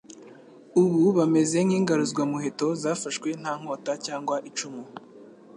ubu bameze nk'ingaruzwamuheto zafashwe nta nkota cyangwa icumu.